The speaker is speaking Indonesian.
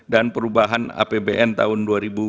dan perubahan apbn tahun dua ribu dua puluh dua